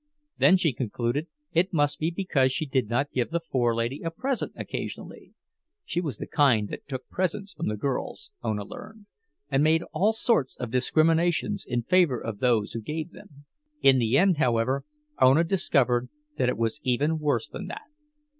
Then she concluded it must be because she did not give the forelady a present occasionally—she was the kind that took presents from the girls, Ona learned, and made all sorts of discriminations in favor of those who gave them. In the end, however, Ona discovered that it was even worse than that.